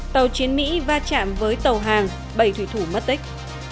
tàu chiến mỹ va chạm với tàu hàng bảy thủy thủ mất tích